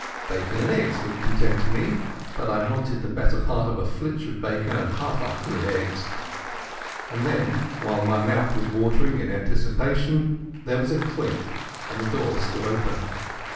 Bacon and eggs would content me, but I wanted the better part of a flitch of bacon and half a hundred eggs. And then, while my mouth was watering in anticipation, there was a click and the door stood open.